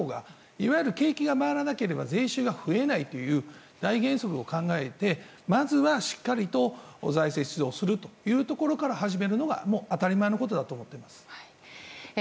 いわゆる景気が回らなければ税収が増えないという大原則を考えてまずはしっかりと財政出動するというところから始めるのが当たり前のことだと思っています。